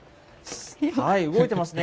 動いてますね。